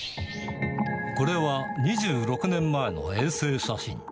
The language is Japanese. これは２６年前の衛星写真。